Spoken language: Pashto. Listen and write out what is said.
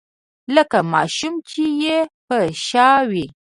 لکه ماشوم چې يې په شا وي.